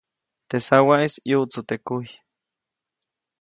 Teʼ sawaʼis ʼyuʼtsu teʼ kujy.